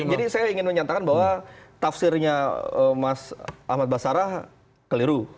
jadi saya ingin menyatakan bahwa tafsirnya mas ahmad basarah keliru